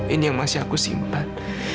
ini yang masih aku simpan